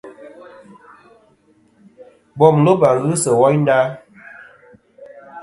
Bom loba ghɨ sɨ woynda.